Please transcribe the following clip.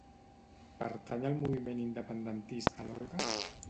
Pertany al moviment independentista l'Olga?